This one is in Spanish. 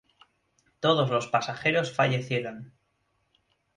Todos los pasajeros fallecieron.